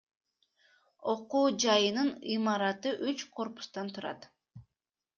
Окуу жайынын имараты үч корпустан турат.